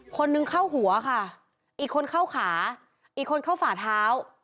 คนนึงเข้าหัวค่ะอีกคนเข้าขาอีกคนเข้าฝ่าเท้า